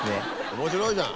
面白いじゃん。